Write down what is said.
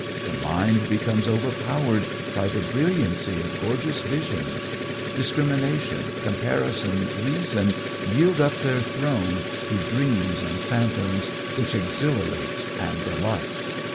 The mind becomes overpowered by the brilliancy of gorgeous visions; discrimination, comparison, reason, yield up their throne to dreams and phantoms which exhilarate and delight.